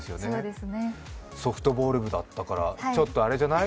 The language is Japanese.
ソフトボール部だったから、ちょっとあれじゃない？